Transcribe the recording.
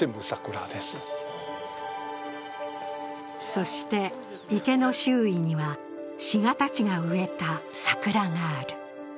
そして池の周囲には志賀たちが植えた桜がある。